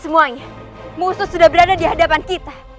semuanya musuh sudah berada di hadapan kita